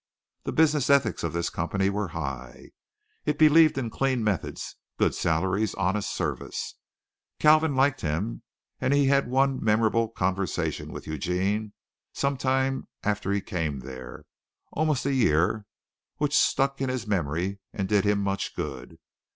The business ethics of this company were high. It believed in clean methods, good salaries, honest service. Kalvin liked him, and he had one memorable conversation with Eugene some time after he came there almost a year which stuck in his memory and did him much good.